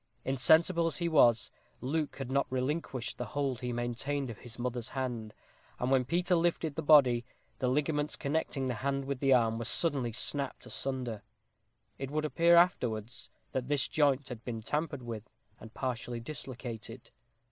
Insensible as he was, Luke had not relinquished the hold he maintained of his mother's hand. And when Peter lifted the body, the ligaments connecting the hand with the arm were suddenly snapped asunder. It would appear afterwards, that this joint had been tampered with, and partially dislocated.